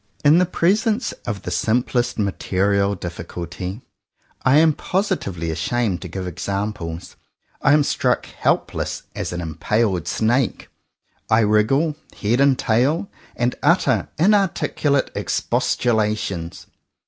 In the presence of the simplest material difficulty — I am positively ashamed to give examples — I am struck helpless as an em paled snake. I wriggle, head and tail, and utter inarticulate expostulations.